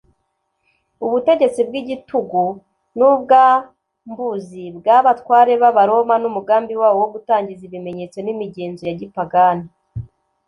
. Ubutegetsi bw’igitugu n’ubwambuzi bw’abatware b’Abaroma, n’umugambi wabo wo gutangiza ibimenyetso n’imigenzo ya gipagani